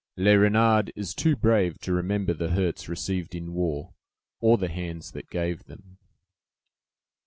"Le Renard is too brave to remember the hurts received in war, or the hands that gave them."